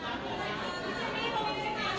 สวัสดีครับคุณผู้ชม